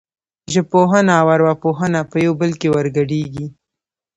ژبپوهنه او ارواپوهنه په یو بل کې ورګډېږي